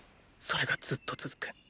それがずっと続く。